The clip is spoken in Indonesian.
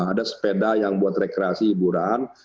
ada sepeda yang buat rekreasi hiburan